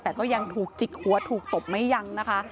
แต่ก็ยังถูกจิกหัวถูกตบไม่ยังนะคะ